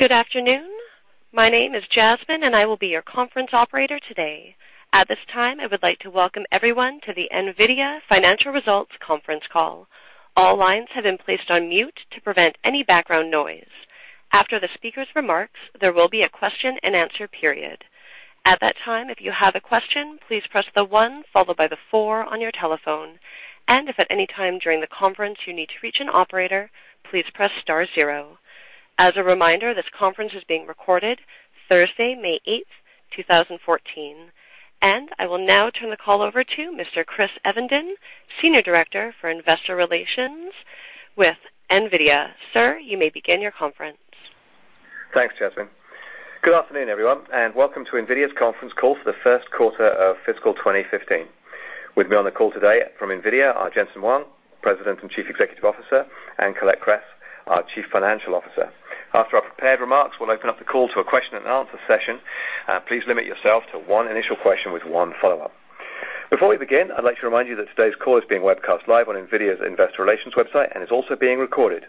Good afternoon. My name is Jasmine. I will be your conference operator today. At this time, I would like to welcome everyone to the NVIDIA financial results conference call. All lines have been placed on mute to prevent any background noise. After the speaker's remarks, there will be a question-and-answer period. At that time, if you have a question, please press the one followed by the four on your telephone. If at any time during the conference you need to reach an operator, please press star zero. As a reminder, this conference is being recorded Thursday, May 8, 2014. I will now turn the call over to Mr. Chris Evenden, Senior Director for Investor Relations with NVIDIA. Sir, you may begin your conference. Thanks, Jasmine. Good afternoon, everyone, and welcome to NVIDIA's conference call for the first quarter of fiscal 2015. With me on the call today from NVIDIA are Jensen Huang, President and Chief Executive Officer, and Colette Kress, our Chief Financial Officer. After our prepared remarks, we'll open up the call to a question-and-answer session. Please limit yourself to one initial question with one follow-up. Before we begin, I'd like to remind you that today's call is being webcast live on NVIDIA's investor relations website and is also being recorded.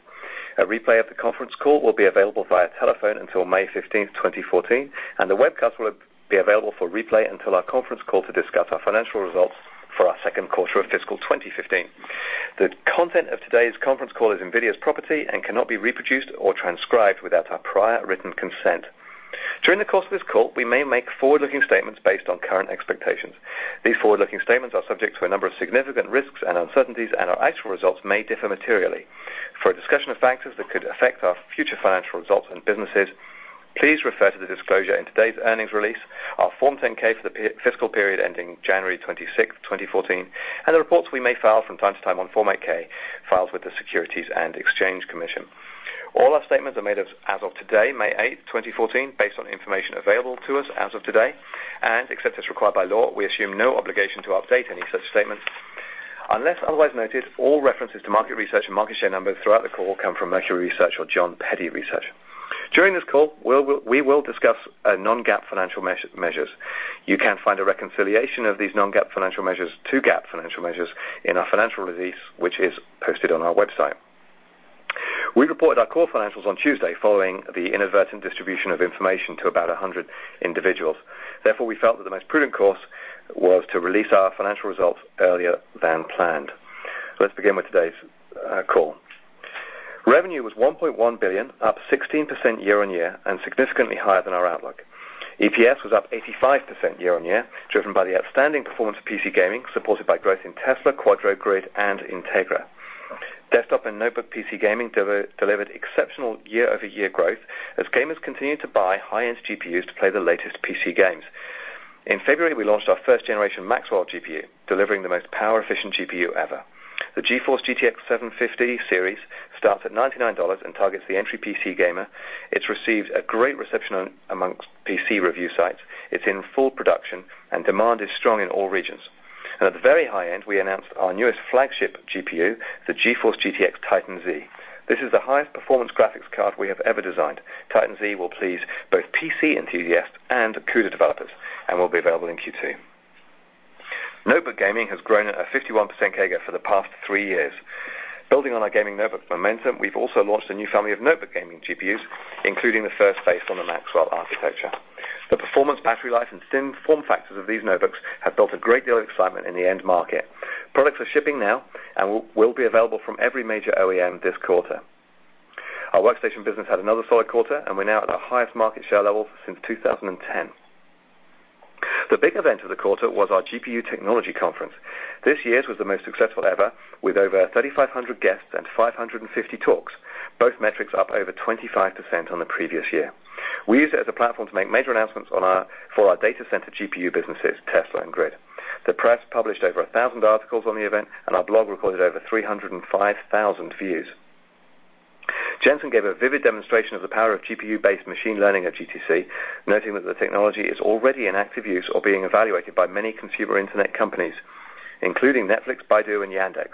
A replay of the conference call will be available via telephone until May 15, 2014, and the webcast will be available for replay until our conference call to discuss our financial results for our second quarter of fiscal 2015. The content of today's conference call is NVIDIA's property and cannot be reproduced or transcribed without our prior written consent. During the course of this call, we may make forward-looking statements based on current expectations. These forward-looking statements are subject to a number of significant risks and uncertainties, and our actual results may differ materially. For a discussion of factors that could affect our future financial results and businesses, please refer to the disclosure in today's earnings release, our Form 10-K for the fiscal period ending January 26, 2014, and the reports we may file from time to time on Form 8-K filed with the Securities and Exchange Commission. All our statements are made as of today, May 8, 2014, based on information available to us as of today, and except as required by law, we assume no obligation to update any such statements. Unless otherwise noted, all references to market research and market share numbers throughout the call come from Mercury Research or Jon Peddie Research. During this call, we will discuss non-GAAP financial measures. You can find a reconciliation of these non-GAAP financial measures to GAAP financial measures in our financial release, which is posted on our website. We reported our core financials on Tuesday following the inadvertent distribution of information to about 100 individuals. We felt that the most prudent course was to release our financial results earlier than planned. Let's begin with today's call. Revenue was $1.1 billion, up 16% year-on-year and significantly higher than our outlook. EPS was up 85% year-on-year, driven by the outstanding performance of PC gaming, supported by growth in Tesla, Quadro, GRID, and Tegra. Desktop and notebook PC gaming delivered exceptional year-over-year growth as gamers continued to buy high-end GPUs to play the latest PC games. In February, we launched our first-generation Maxwell GPU, delivering the most power-efficient GPU ever. The GeForce GTX 750 series starts at $99 and targets the entry PC gamer. It's received a great reception amongst PC review sites. It's in full production and demand is strong in all regions. At the very high end, we announced our newest flagship GPU, the GeForce GTX Titan Z. This is the highest performance graphics card we have ever designed. Titan Z will please both PC enthusiasts and CUDA developers and will be available in Q2. Notebook gaming has grown at a 51% CAGR for the past three years. Building on our gaming notebook momentum, we've also launched a new family of notebook gaming GPUs, including the first based on the Maxwell architecture. The performance, battery life, and slim form factors of these notebooks have built a great deal of excitement in the end market. Products are shipping now and will be available from every major OEM this quarter. Our workstation business had another solid quarter, and we're now at our highest market share level since 2010. The big event of the quarter was our GPU Technology Conference. This year's was the most successful ever with over 3,500 guests and 550 talks, both metrics up over 25% on the previous year. We used it as a platform to make major announcements for our data center GPU businesses, Tesla and GRID. The press published over 1,000 articles on the event, and our blog recorded over 305,000 views. Jensen gave a vivid demonstration of the power of GPU-based machine learning at GTC, noting that the technology is already in active use or being evaluated by many consumer internet companies, including Netflix, Baidu, and Yandex.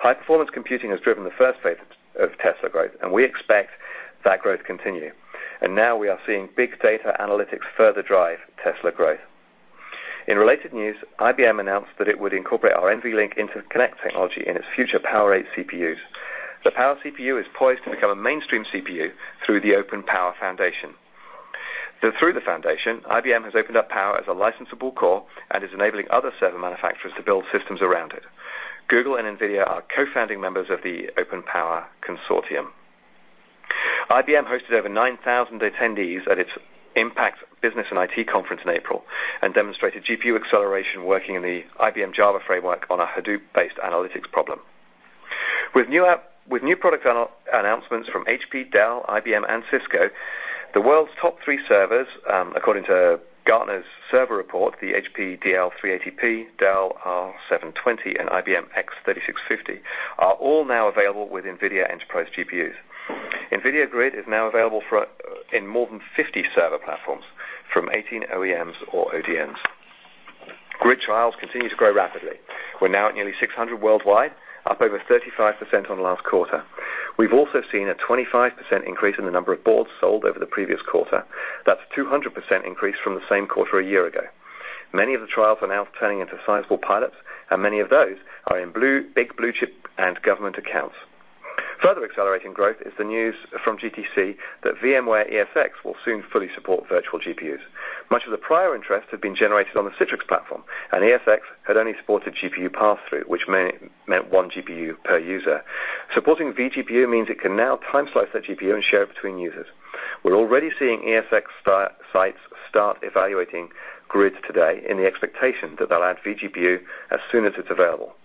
High-performance computing has driven the first phase of Tesla growth, and we expect that growth to continue. Now we are seeing big data analytics further drive Tesla growth. In related news, IBM announced that it would incorporate our NVLink interconnect technology in its future POWER8 CPUs. The Power CPU is poised to become a mainstream CPU through the OpenPOWER Foundation. Through the foundation, IBM has opened up Power as a licensable core and is enabling other server manufacturers to build systems around it. Google and NVIDIA are co-founding members of the OpenPOWER Consortium. IBM hosted over 9,000 attendees at its Impact business and IT conference in April and demonstrated GPU acceleration working in the IBM Java framework on a Hadoop-based analytics problem. With new product announcements from HP, Dell, IBM, and Cisco, the world's top three servers, according to Gartner's server report, the HP DL380p, Dell R720, and IBM X3650, are all now available with NVIDIA enterprise GPUs. NVIDIA GRID is now available for in more than 50 server platforms from 18 OEMs or ODMs. GRID trials continue to grow rapidly. We're now at nearly 600 worldwide, up over 35% on last quarter. We've also seen a 25% increase in the number of boards sold over the previous quarter. That's 200% increase from the same quarter a year ago. Many of the trials are now turning into sizable pilots, and many of those are in big blue-chip and government accounts. Further accelerating growth is the news from GTC that VMware ESX will soon fully support virtual GPUs. Much of the prior interest had been generated on the Citrix platform, and ESX had only supported GPU pass-through, which meant one GPU per user. Supporting vGPU means it can now time-slice the GPU and share it between users. We're already seeing ESX sites start evaluating GRID today in the expectation that they'll add vGPU as soon as it's available.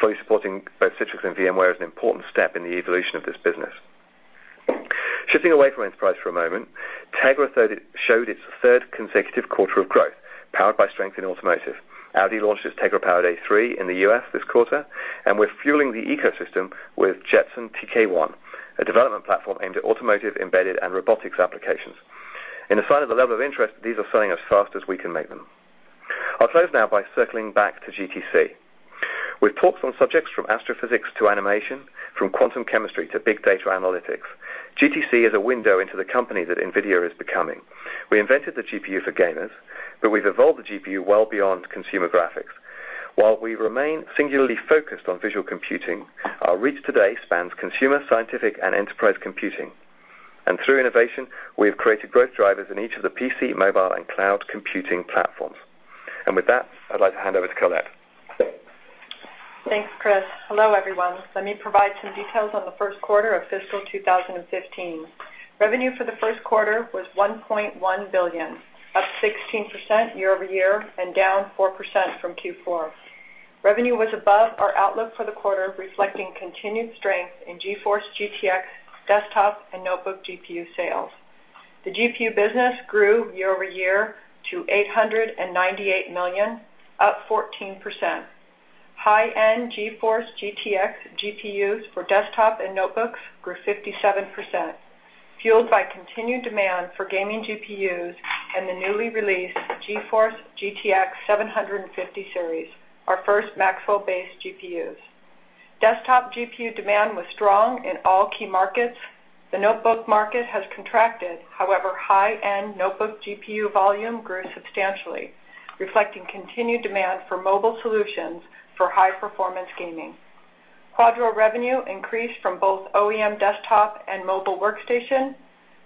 Fully supporting both Citrix and VMware is an important step in the evolution of this business. Shifting away from enterprise for a moment, Tegra showed its third consecutive quarter of growth, powered by strength in automotive. Audi launched its Tegra-powered A3 in the U.S. this quarter. We're fueling the ecosystem with Jetson TK1, a development platform aimed at automotive, embedded, and robotics applications. In a sign of the level of interest, these are selling as fast as we can make them. I'll close now by circling back to GTC. We've talked on subjects from astrophysics to animation, from quantum chemistry to big data analytics. GTC is a window into the company that NVIDIA is becoming. We invented the GPU for gamers. We've evolved the GPU well beyond consumer graphics. While we remain singularly focused on visual computing, our reach today spans consumer, scientific, and enterprise computing. Through innovation, we have created growth drivers in each of the PC, mobile, and cloud computing platforms. With that, I'd like to hand over to Colette. Thanks, Chris. Hello, everyone. Let me provide some details on the first quarter of fiscal 2015. Revenue for the first quarter was $1.1 billion, up 16% year-over-year and down 4% from Q4. Revenue was above our outlook for the quarter, reflecting continued strength in GeForce GTX desktop and notebook GPU sales. The GPU business grew year-over-year to $898 million, up 14%. High-end GeForce GTX GPUs for desktop and notebooks grew 57%, fueled by continued demand for gaming GPUs and the newly released GeForce GTX 750 series, our first Maxwell-based GPUs. Desktop GPU demand was strong in all key markets. The notebook market has contracted. However, high-end notebook GPU volume grew substantially, reflecting continued demand for mobile solutions for high-performance gaming. Quadro revenue increased from both OEM desktop and mobile workstation.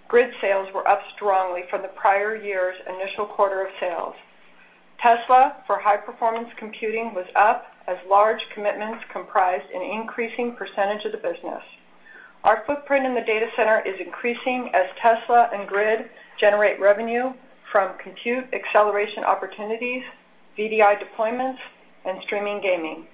GRID sales were up strongly from the prior year's initial quarter of sales. Tesla for high-performance computing was up as large commitments comprised an increasing percentage of the business. Our footprint in the data center is increasing as Tesla and NVIDIA GRID generate revenue from compute acceleration opportunities, VDI deployments, and streaming gaming.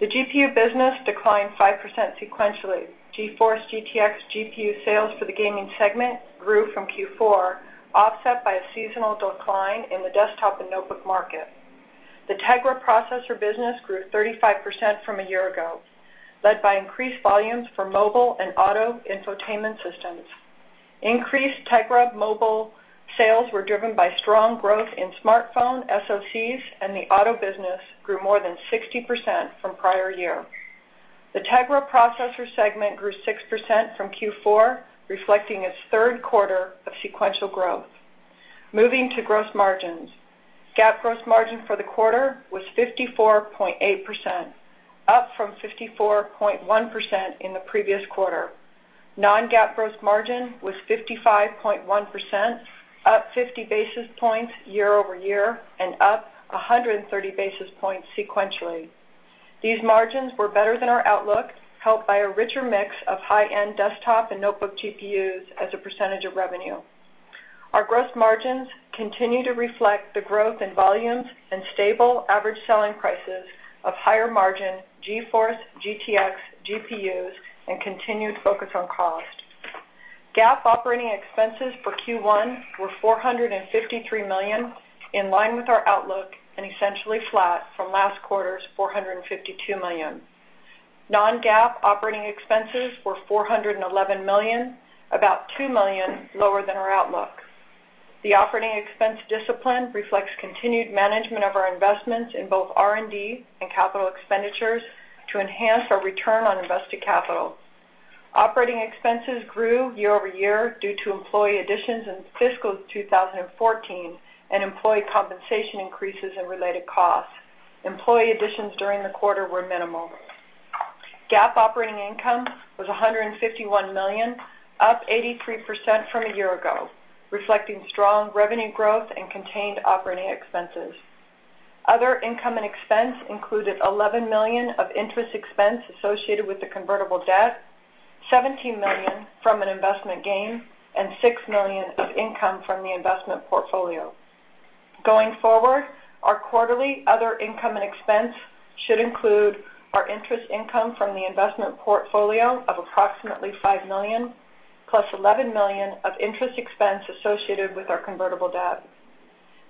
The GPU business declined 5% sequentially. GeForce GTX GPU sales for the gaming segment grew from Q4, offset by a seasonal decline in the desktop and notebook market. The Tegra processor business grew 35% from a year ago, led by increased volumes for mobile and auto infotainment systems. Increased Tegra mobile sales were driven by strong growth in smartphone, SoCs, and the auto business grew more than 60% from prior year. The Tegra processor segment grew 6% from Q4, reflecting its third quarter of sequential growth. Moving to gross margins. GAAP gross margin for the quarter was 54.8%, up from 54.1% in the previous quarter. Non-GAAP gross margin was 55.1%, up 50 basis points year-over-year and up 130 basis points sequentially. These margins were better than our outlook, helped by a richer mix of high-end desktop and notebook GPUs as a percentage of revenue. Our gross margins continue to reflect the growth in volumes and stable average selling prices of higher-margin GeForce GTX GPUs and continued focus on cost. GAAP operating expenses for Q1 were $453 million, in line with our outlook and essentially flat from last quarter's $452 million. Non-GAAP operating expenses were $411 million, about $2 million lower than our outlook. The operating expense discipline reflects continued management of our investments in both R&D and capital expenditures to enhance our return on invested capital. Operating expenses grew year-over-year due to employee additions in fiscal 2014 and employee compensation increases and related costs. Employee additions during the quarter were minimal. GAAP operating income was $151 million, up 83% from a year ago, reflecting strong revenue growth and contained operating expenses. Other income and expense included $11 million of interest expense associated with the convertible debt, $17 million from an investment gain, and $6 million of income from the investment portfolio. Going forward, our quarterly other income and expense should include our interest income from the investment portfolio of approximately $5 million, plus $11 million of interest expense associated with our convertible debt.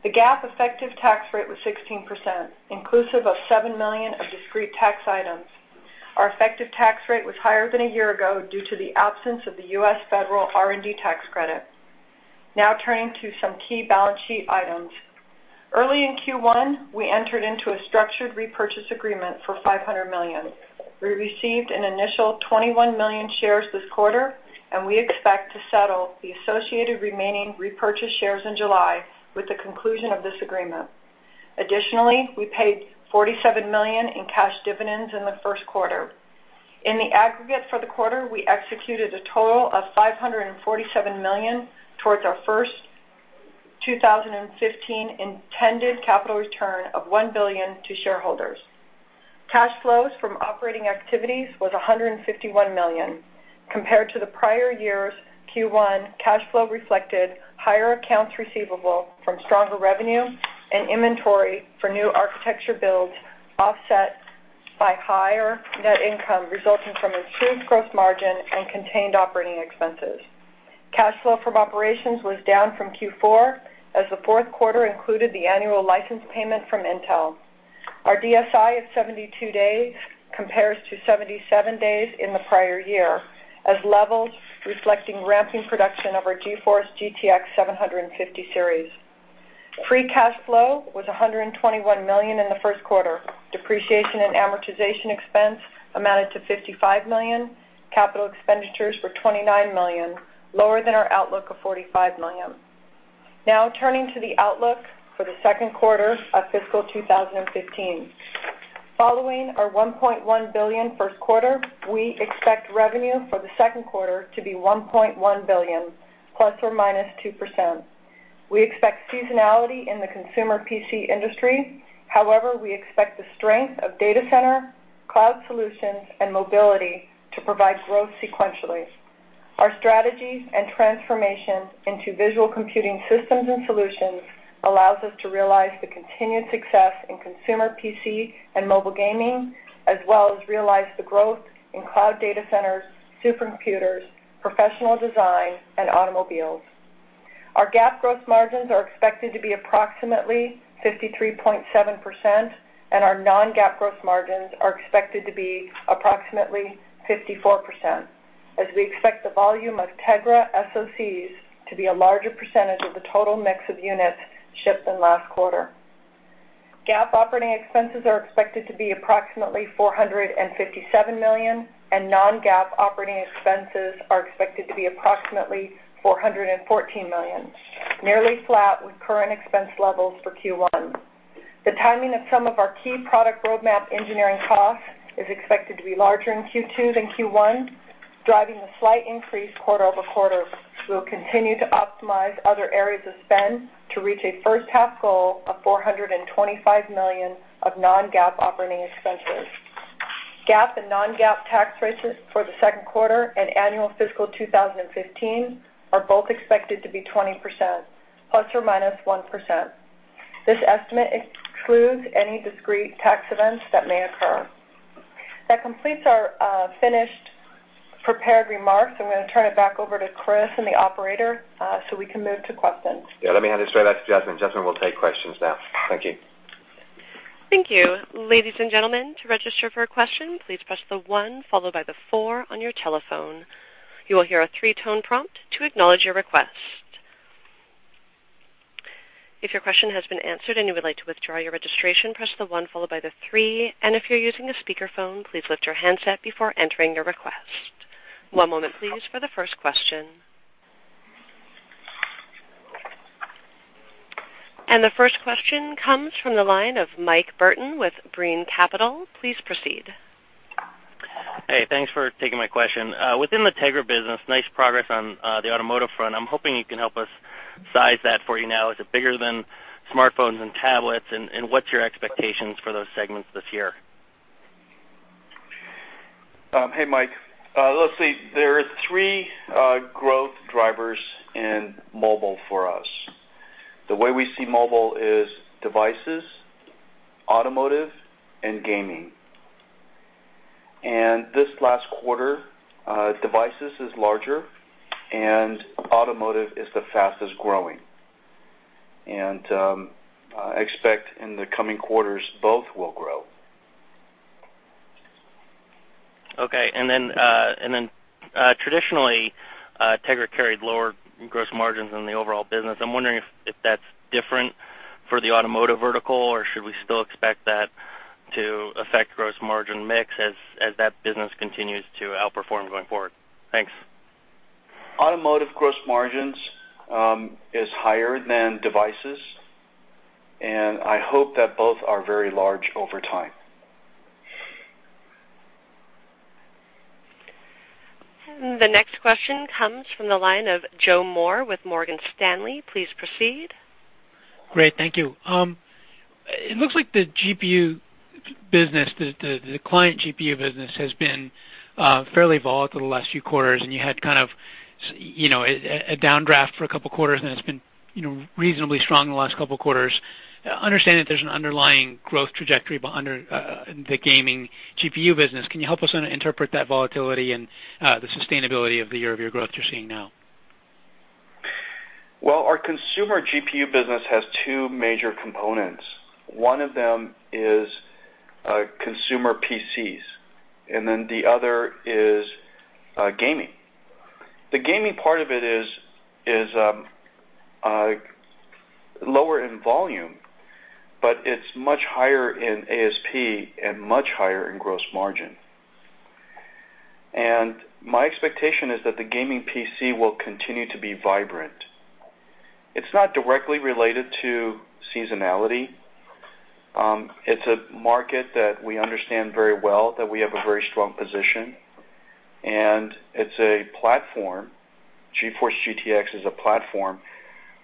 The GAAP effective tax rate was 16%, inclusive of $7 million of discrete tax items. Our effective tax rate was higher than a year ago due to the absence of the U.S. federal R&D tax credit. Turning to some key balance sheet items. Early in Q1, we entered into a structured repurchase agreement for $500 million. We received an initial 21 million shares this quarter, and we expect to settle the associated remaining repurchase shares in July with the conclusion of this agreement. Additionally, we paid $47 million in cash dividends in the first quarter. In the aggregate for the quarter, we executed a total of $547 million towards our first 2015 intended capital return of $1 billion to shareholders. Cash flows from operating activities was $151 million compared to the prior year's Q1 cash flow reflected higher accounts receivable from stronger revenue and inventory for new architecture builds offset by higher net income resulting from improved gross margin and contained operating expenses. Cash flow from operations was down from Q4 as the fourth quarter included the annual license payment from Intel. Our DSI of 72 days compares to 77 days in the prior year as levels reflecting ramping production of our GeForce GTX 750 series. Free cash flow was $121 million in the first quarter. Depreciation and amortization expense amounted to $55 million. Capital expenditures were $29 million, lower than our outlook of $45 million. Now turning to the outlook for the second quarter of fiscal 2015. Following our $1.1 billion first quarter, we expect revenue for the second quarter to be $1.1 billion, ±2%. We expect seasonality in the consumer PC industry. However, we expect the strength of data center, cloud solutions, and mobility to provide growth sequentially. Our strategy and transformation into visual computing systems and solutions allows us to realize the continued success in consumer PC and mobile gaming, as well as realize the growth in cloud data centers, supercomputers, professional design, and automobiles. Our GAAP gross margins are expected to be approximately 53.7%, and our non-GAAP gross margins are expected to be approximately 54%, as we expect the volume of Tegra SoCs to be a larger percentage of the total mix of units shipped than last quarter. GAAP operating expenses are expected to be approximately $457 million, and non-GAAP operating expenses are expected to be approximately $414 million, nearly flat with current expense levels for Q1. The timing of some of our key product roadmap engineering costs is expected to be larger in Q2 than Q1, driving a slight increase quarter-over-quarter. We will continue to optimize other areas of spend to reach a first half goal of $425 million of non-GAAP operating expenses. GAAP and non-GAAP tax rates for the second quarter and annual fiscal 2015 are both expected to be 20%, ±1%. This estimate excludes any discrete tax events that may occur. That completes our finished prepared remarks. I'm gonna turn it back over to Chris and the operator, so we can move to questions. Yeah, let me hand it straight back to Jasmine. Jasmine will take questions now. Thank you. Thank you. Ladies and gentlemen, to register for a question, please press the one followed by the four on your telephone. You will hear a three-tone prompt to acknowledge your request. If your question has been answered and you would like to withdraw your registration, press the one followed by the three, and if you're using a speakerphone, please lift your handset before entering your request. One moment please for the first question. The first question comes from the line of Michael Burton with Brean Capital. Please proceed. Hey, thanks for taking my question. Within the Tegra business, nice progress on the automotive front. I'm hoping you can help us size that for you now. Is it bigger than smartphones and tablets? What's your expectations for those segments this year? Hey, Mike. Let's see. There are three growth drivers in mobile for us. The way we see mobile is devices, automotive, and gaming. This last quarter, devices is larger and automotive is the fastest-growing. I expect in the coming quarters, both will grow. Okay. Traditionally, Tegra carried lower gross margins than the overall business. I'm wondering if that's different for the automotive vertical or should we still expect that to affect gross margin mix as that business continues to outperform going forward? Thanks. Automotive gross margins, is higher than devices, and I hope that both are very large over time. The next question comes from the line of Joe Moore with Morgan Stanley. Please proceed. Great. Thank you. It looks like the GPU business, the client GPU business has been fairly volatile the last few quarters, and you had kind of, you know, a down draft for a couple quarters, and it's been, you know, reasonably strong the last couple quarters. I understand that there's an underlying growth trajectory under the gaming GPU business. Can you help us interpret that volatility and, the sustainability of the year-over-year growth you're seeing now? Well, our consumer GPU business has two major components. One of them is consumer PCs, and then the other is gaming. The gaming part of it is lower in volume, but it's much higher in ASP and much higher in gross margin. My expectation is that the gaming PC will continue to be vibrant. It's not directly related to seasonality. It's a market that we understand very well, that we have a very strong position, and it's a platform. GeForce GTX is a platform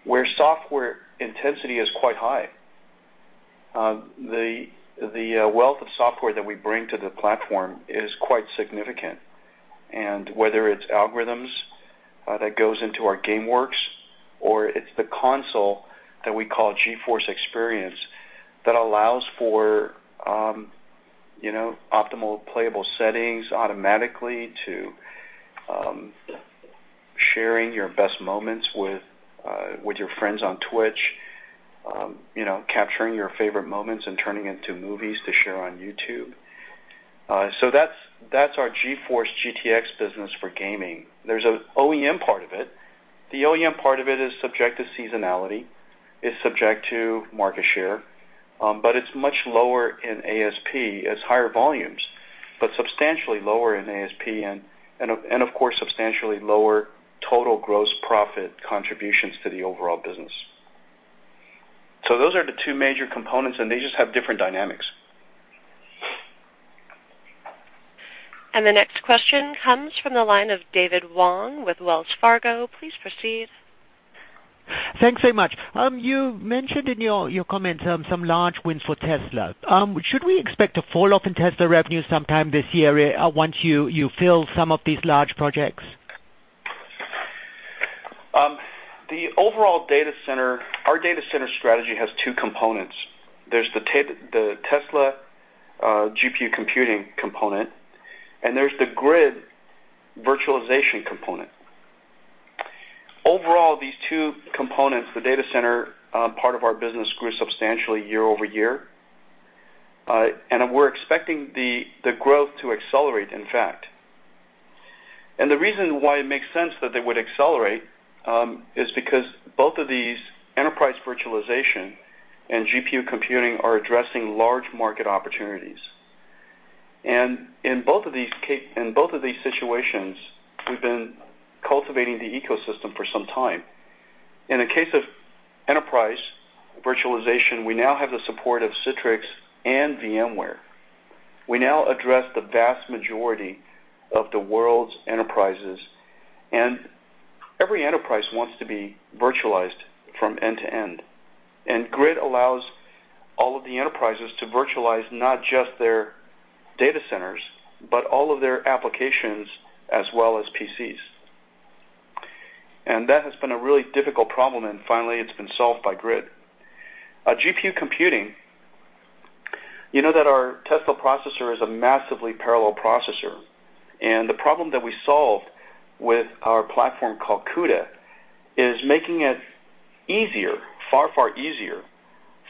where software intensity is quite high. The wealth of software that we bring to the platform is quite significant. Whether it's algorithms that goes into our GameWorks, or it's the console that we call GeForce Experience that allows for, you know, optimal playable settings automatically to sharing your best moments with your friends on Twitch. You know, capturing your favorite moments and turning into movies to share on YouTube. That's our GeForce GTX business for gaming. There's a OEM part of it. The OEM part of it is subject to seasonality. It's subject to market share, but it's much lower in ASP. It's higher volumes, but substantially lower in ASP and of course, substantially lower total gross profit contributions to the overall business. Those are the two major components, and they just have different dynamics. The next question comes from the line of David Wong with Wells Fargo. Please proceed. Thanks very much. You mentioned in your comments, some large wins for Tesla. Should we expect a fall off in Tesla revenue sometime this year, once you fill some of these large projects? Our data center strategy has two components. There's the Tesla GPU computing component, and there's the GRID virtualization component. Overall, these two components, the data center part of our business grew substantially year-over-year. We're expecting the growth to accelerate, in fact. The reason why it makes sense that they would accelerate is because both of these enterprise virtualization and GPU computing are addressing large market opportunities. In both of these situations, we've been cultivating the ecosystem for some time. In the case of enterprise virtualization, we now have the support of Citrix and VMware. We now address the vast majority of the world's enterprises, and every enterprise wants to be virtualized from end to end. GRID allows all of the enterprises to virtualize not just their data centers, but all of their applications as well as PCs. That has been a really difficult problem. Finally, it's been solved by GRID. GPU computing, you know that our Tesla processor is a massively parallel processor, and the problem that we solved with our platform called CUDA is making it easier, far easier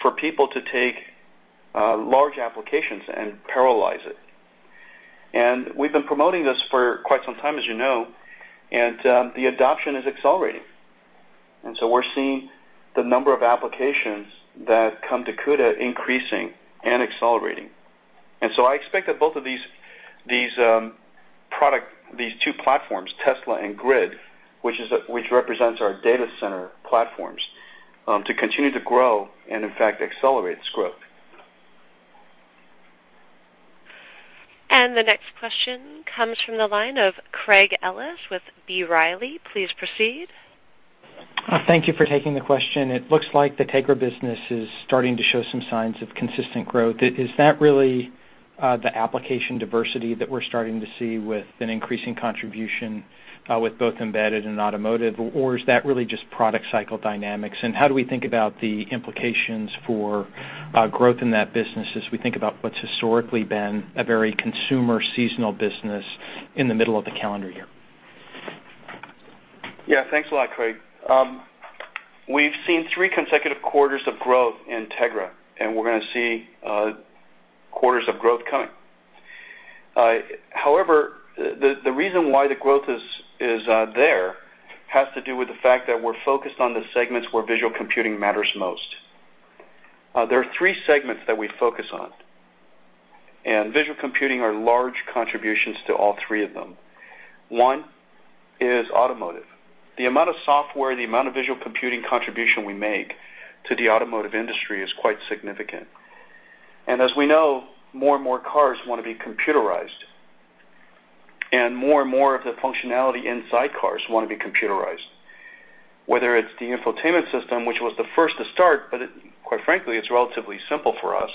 for people to take large applications and parallelize it. We've been promoting this for quite some time, as you know, and the adoption is accelerating. So we're seeing the number of applications that come to CUDA increasing and accelerating. So I expect that both of these product, these two platforms, Tesla and GRID, which represents our data center platforms, to continue to grow and in fact accelerate its growth. The next question comes from the line of Craig Ellis with B. Riley. Please proceed. Thank you for taking the question. It looks like the Tegra business is starting to show some signs of consistent growth. Is that really the application diversity that we're starting to see with an increasing contribution with both embedded and automotive or is that really just product cycle dynamics? How do we think about the implications for growth in that business as we think about what's historically been a very consumer seasonal business in the middle of the calendar year? Yeah. Thanks a lot, Craig. We've seen three consecutive quarters of growth in Tegra, and we're gonna see quarters of growth coming. However, the reason why the growth is there has to do with the fact that we're focused on the segments where visual computing matters most. There are three segments that we focus on, and visual computing are large contributions to all three of them. One is automotive. The amount of software, the amount of visual computing contribution we make to the automotive industry is quite significant. As we know, more and more cars wanna be computerized, and more and more of the functionality inside cars wanna be computerized. Whether it's the infotainment system, which was the first to start, but quite frankly, it's relatively simple for us.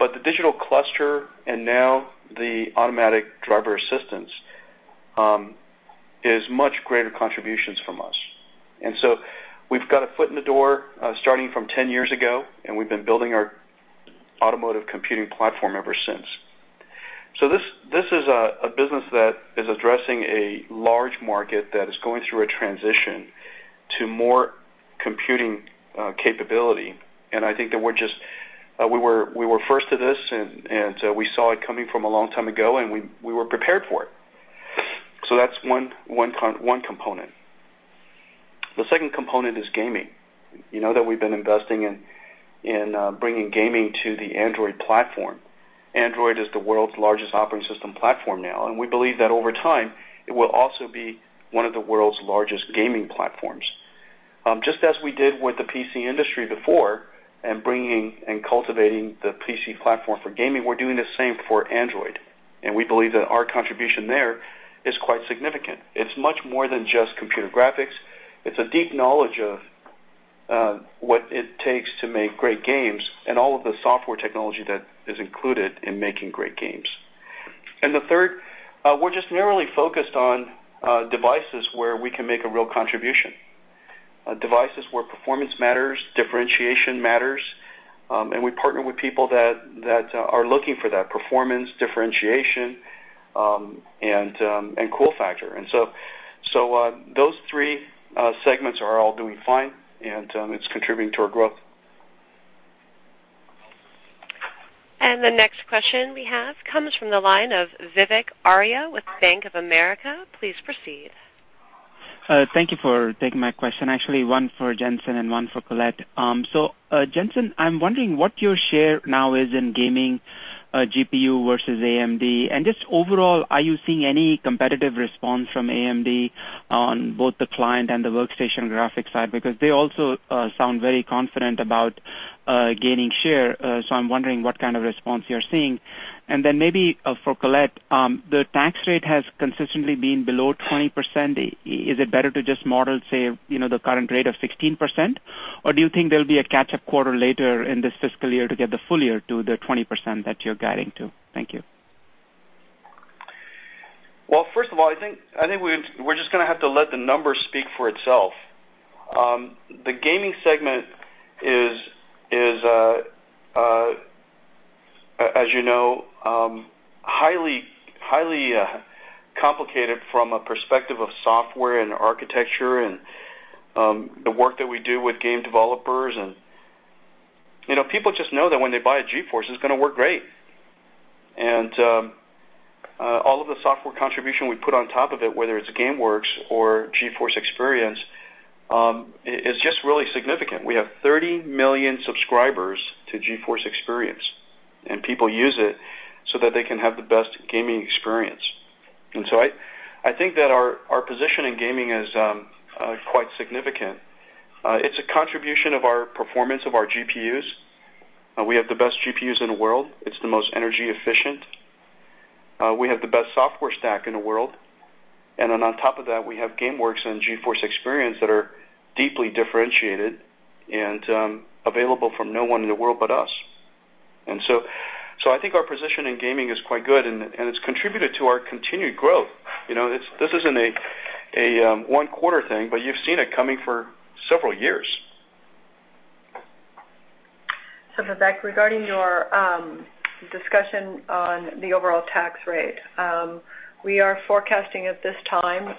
The digital cluster and now the automatic driver assistance is much greater contributions from us. We've got a foot in the door, starting from 10 years ago, and we've been building our automotive computing platform ever since. This is a business that is addressing a large market that is going through a transition to more computing capability. I think that we were first to this and we saw it coming from a long time ago, and we were prepared for it. That's one component. The second component is gaming. You know that we've been investing in bringing gaming to the Android platform. Android is the world's largest operating system platform now, and we believe that over time, it will also be one of the world's largest gaming platforms. Just as we did with the PC industry before and bringing and cultivating the PC platform for gaming, we're doing the same for Android. We believe that our contribution there is quite significant. It's much more than just computer graphics. It's a deep knowledge of what it takes to make great games and all of the software technology that is included in making great games. The third, we're just narrowly focused on devices where we can make a real contribution, devices where performance matters, differentiation matters, and we partner with people that are looking for that performance, differentiation, and cool factor. Those three segments are all doing fine, and it's contributing to our growth. The next question we have comes from the line of Vivek Arya with Bank of America. Please proceed. Thank you for taking my question. Actually, one for Jensen and one for Colette. Jensen, I'm wondering what your share now is in gaming GPU versus AMD. Just overall, are you seeing any competitive response from AMD on both the client and the workstation graphics side? They also sound very confident about gaining share. I'm wondering what kind of response you're seeing. For Colette, the tax rate has consistently been below 20%. Is it better to just model, say, you know, the current rate of 16%? Do you think there'll be a catch-up quarter later in this fiscal year to get the full year to the 20% that you're guiding to? Thank you. Well, first of all, I think we're just gonna have to let the numbers speak for itself. The gaming segment is, as you know, highly complicated from a perspective of software and architecture and the work that we do with game developers. You know, people just know that when they buy a GeForce, it's gonna work great. All of the software contribution we put on top of it, whether it's GameWorks or GeForce Experience, is just really significant. We have 30 million subscribers to GeForce Experience, and people use it so that they can have the best gaming experience. I think that our position in gaming is quite significant. It's a contribution of our performance of our GPUs. We have the best GPUs in the world. It's the most energy efficient. We have the best software stack in the world. Then on top of that, we have GameWorks and GeForce Experience that are deeply differentiated and available from no one in the world but us. So I think our position in gaming is quite good and it's contributed to our continued growth. You know, this isn't a one quarter thing, but you've seen it coming for several years. Vivek, regarding your discussion on the overall tax rate, we are forecasting at this time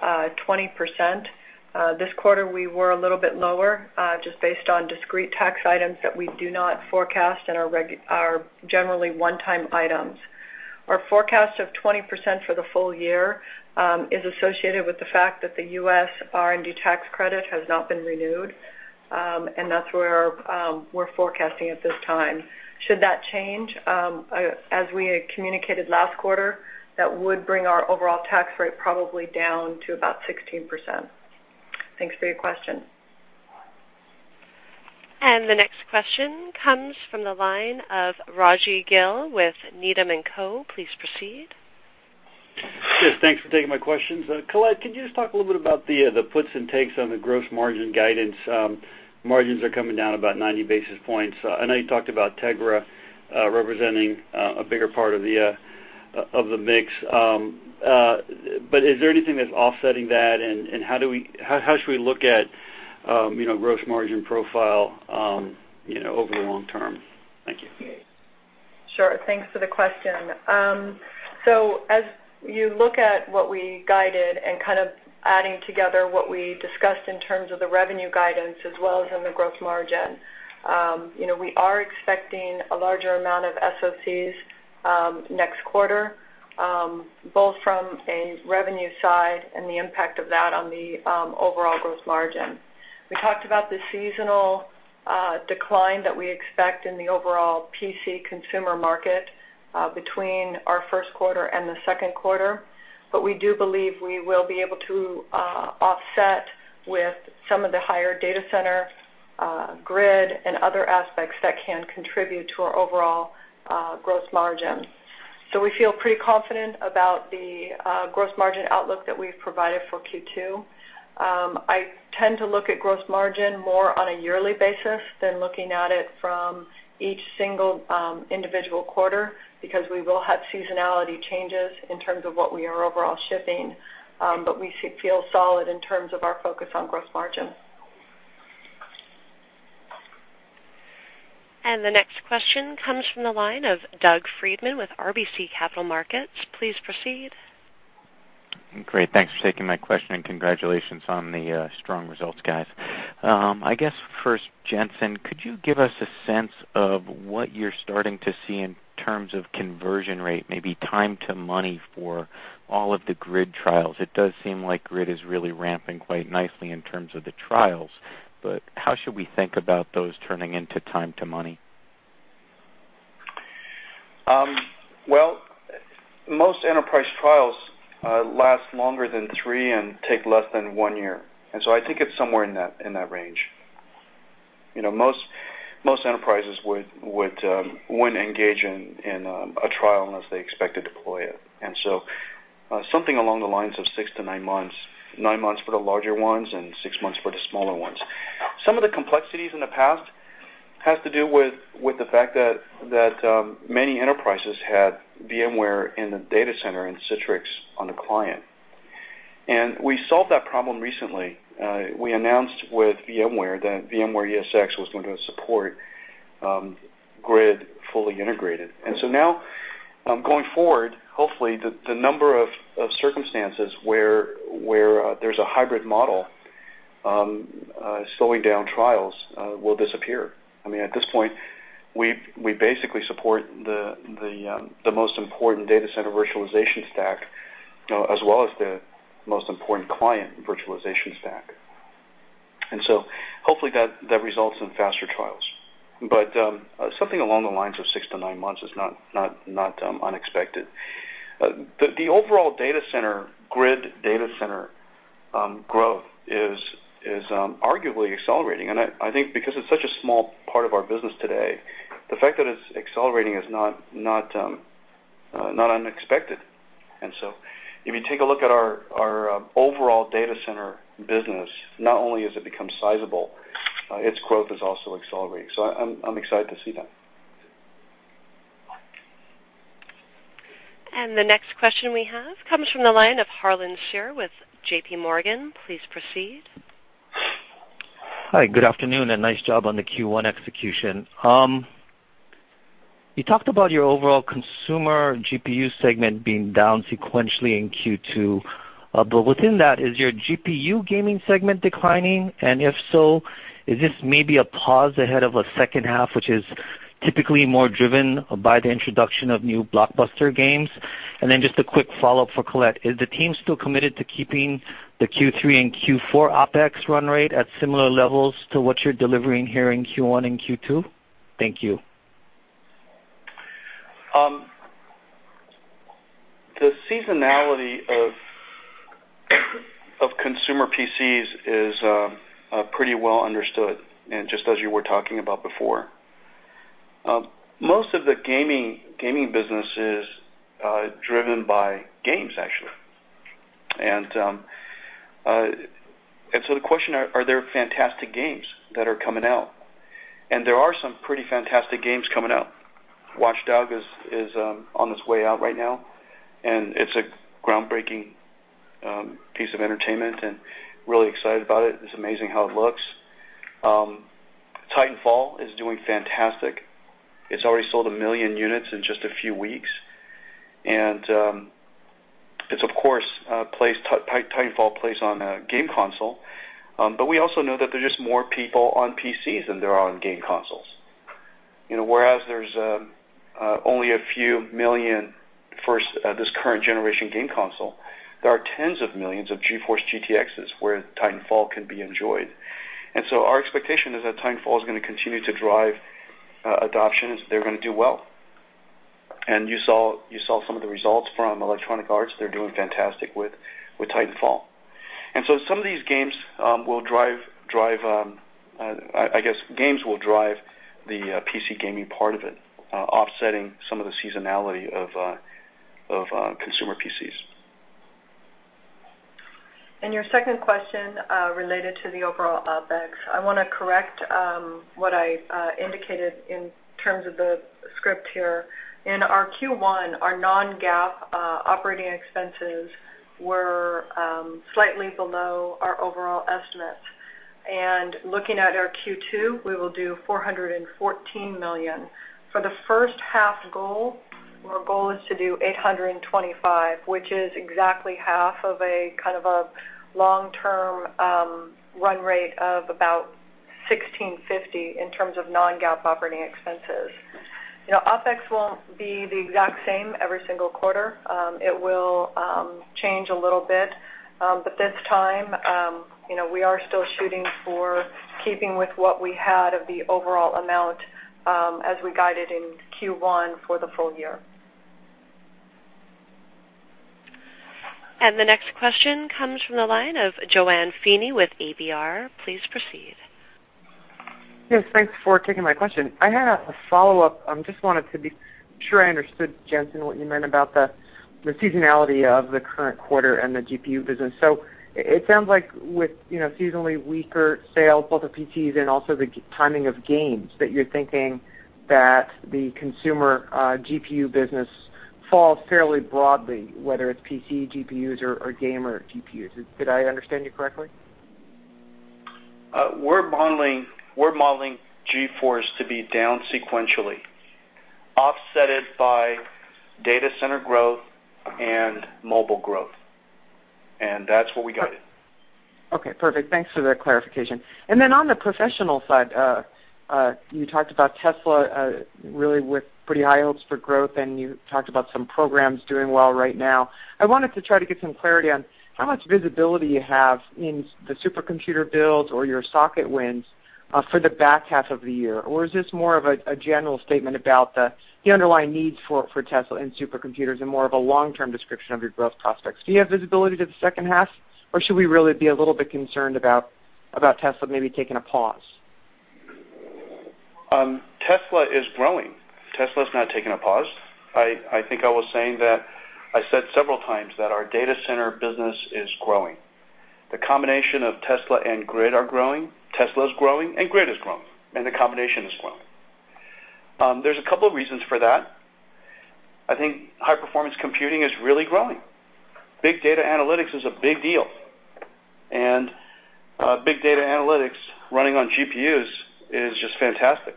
20%. This quarter, we were a little bit lower, just based on discrete tax items that we do not forecast and are generally one-time items. Our forecast of 20% for the full year, is associated with the fact that the U.S. R&D tax credit has not been renewed. That's where we're forecasting at this time. Should that change, as we had communicated last quarter, that would bring our overall tax rate probably down to about 16%. Thanks for your question. The next question comes from the line of Rajvindra Gill with Needham & Company. Please proceed. Yes, thanks for taking my questions. Colette, can you just talk a little bit about the puts and takes on the gross margin guidance? Margins are coming down about 90 basis points. I know you talked about Tegra representing a bigger part of the mix. Is there anything that's offsetting that, and how should we look at, you know, gross margin profile, you know, over the long term? Thank you. Sure. Thanks for the question. As you look at what we guided and kind of adding together what we discussed in terms of the revenue guidance as well as in the gross margin, you know, we are expecting a larger amount of SoCs next quarter, both from a revenue side and the impact of that on the overall gross margin. We talked about the seasonal decline that we expect in the overall PC consumer market between our first quarter and the second quarter. We do believe we will be able to offset with some of the higher data center, GRID, and other aspects that can contribute to our overall gross margin. We feel pretty confident about the gross margin outlook that we've provided for Q2. I tend to look at gross margin more on a yearly basis than looking at it from each single, individual quarter because we will have seasonality changes in terms of what we are overall shipping, but we feel solid in terms of our focus on gross margin. The next question comes from the line of Doug Freedman with RBC Capital Markets. Please proceed. Great. Thanks for taking my question and congratulations on the strong results, guys. I guess first, Jensen, could you give us a sense of what you're starting to see in terms of conversion rate, maybe time to money for all of the GRID trials? It does seem like GRID is really ramping quite nicely in terms of the trials, but how should we think about those turning into time to money? Well, most enterprise trials last longer than three and take less than one year. I think it's somewhere in that range. You know, most enterprises wouldn't engage in a trial unless they expect to deploy it. Something along the lines of six to nine months, nine months for the larger ones and six months for the smaller ones. Some of the complexities in the past has to do with the fact that many enterprises had VMware in the data center and Citrix on the client. We solved that problem recently. We announced with VMware that VMware ESX was going to support GRID fully integrated. Going forward, hopefully the number of circumstances where there's a hybrid model slowing down trials will disappear. I mean, at this point, we basically support the most important data center virtualization stack, as well as the most important client virtualization stack. Hopefully that results in faster trials. Something along the lines of six to nine months is not unexpected. The overall data center GRID data center growth is arguably accelerating. I think because it's such a small part of our business today, the fact that it's accelerating is not unexpected. If you take a look at our overall data center business, not only has it become sizable, its growth is also accelerating. I'm excited to see that. The next question we have comes from the line of Harlan Sur with JPMorgan. Please proceed. Hi, good afternoon. Nice job on the Q1 execution. You talked about your overall consumer GPU segment being down sequentially in Q2. Within that, is your GPU gaming segment declining? If so, is this maybe a pause ahead of a second half, which is typically more driven by the introduction of new blockbuster games? Just a quick follow-up for Colette. Is the team still committed to keeping the Q3 and Q4 OpEx run rate at similar levels to what you're delivering here in Q1 and Q2? Thank you. The seasonality of consumer PCs is pretty well understood, and just as you were talking about before. Most of the gaming business is driven by games, actually. The question are there fantastic games that are coming out? There are some pretty fantastic games coming out. Watch Dogs is on its way out right now, and it's a groundbreaking piece of entertainment and really excited about it. It's amazing how it looks. Titanfall is doing fantastic. It's already sold 1 million units in just a few weeks. It's of course, Titanfall plays on a game console. We also know that there's just more people on PCs than there are on game consoles. You know, whereas there's only a few million first, this current generation game console, there are tens of millions of GeForce GTXs where Titanfall can be enjoyed. Our expectation is that Titanfall is gonna continue to drive adoption, they're gonna do well. You saw some of the results from Electronic Arts. They're doing fantastic with Titanfall. Some of these games will drive, I guess games will drive the PC gaming part of it, offsetting some of the seasonality of consumer PCs. Your second question related to the overall OpEx. I wanna correct what I indicated in terms of the script here. In our Q1, our non-GAAP operating expenses were slightly below our overall estimates. Looking at our Q2, we will do $414 million. For the first half goal, our goal is to do $825 million, which is exactly half of a kind of a long-term run rate of about $1,650 million in terms of non-GAAP operating expenses. You know, OpEx won't be the exact same every single quarter. It will change a little bit. This time, you know, we are still shooting for keeping with what we had of the overall amount as we guided in Q1 for the full year. The next question comes from the line of JoAnne Feeney with ABR. Please proceed. Yes, thanks for taking my question. I had a follow-up. Just wanted to be sure I understood, Jensen, what you meant about the seasonality of the current quarter and the GPU business. It sounds like with, you know, seasonally weaker sales, both of PCs and also the timing of games, that you're thinking that the consumer GPU business falls fairly broadly, whether it's PC GPUs or gamer GPUs. Did I understand you correctly? We're modeling GeForce to be down sequentially, offsetted by data center growth and mobile growth. That's what we guided. Okay, perfect. Thanks for that clarification. On the professional side, you talked about Tesla really with pretty high hopes for growth, and you talked about some programs doing well right now. I wanted to try to get some clarity on how much visibility you have in the supercomputer builds or your socket wins for the back half of the year. Is this more of a general statement about the underlying needs for Tesla and supercomputers and more of a long-term description of your growth prospects? Do you have visibility to the second half, or should we really be a little bit concerned about Tesla maybe taking a pause? Tesla is growing. Tesla's not taking a pause. I think I was saying that, I said several times that our data center business is growing. The combination of Tesla and GRID are growing. Tesla's growing and GRID is growing, and the combination is growing. There's a couple reasons for that. I think high-performance computing is really growing. Big data analytics is a big deal, and big data analytics running on GPUs is just fantastic.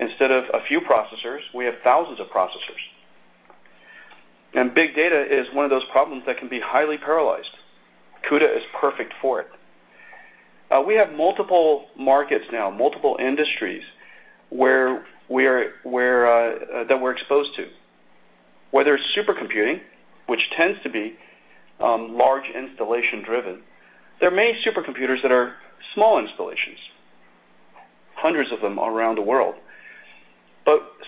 Instead of a few processors, we have thousands of processors. Big data is one of those problems that can be highly parallelized. CUDA is perfect for it. We have multiple markets now, multiple industries where we're that we're exposed to. Whether it's supercomputing, which tends to be large installation-driven, there are many supercomputers that are small installations, hundreds of them around the world.